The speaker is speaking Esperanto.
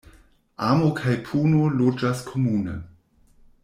Amo kaj puno loĝas komune.